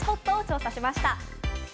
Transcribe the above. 注目の新スポットを調査しました。